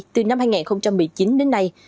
từ năm hai nghìn một mươi chín đến nay